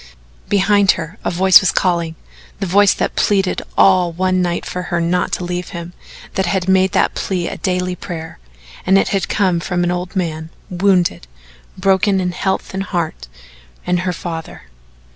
Behind her a voice was calling, the voice that pleaded all one night for her not to leave him, that had made that plea a daily prayer, and it had come from an old man wounded, broken in health and heart, and her father.